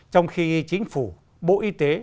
trong khi chính phủ bộ y tế